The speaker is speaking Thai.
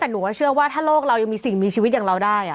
แต่หนูก็เชื่อว่าถ้าโลกเรายังมีสิ่งมีชีวิตอย่างเราได้